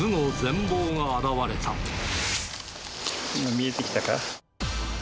見えてきたか。